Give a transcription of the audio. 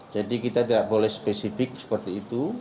jadi kita tidak boleh spesifik seperti itu